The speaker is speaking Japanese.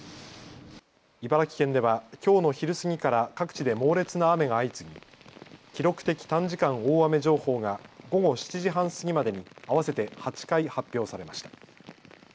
茨城県ではきょうの昼過ぎから各地で猛烈な雨が相次ぎ記録的短時間大雨情報が午後７時半過ぎまでに合わせて８回発表されました。